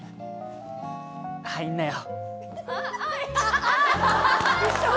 入んなよ。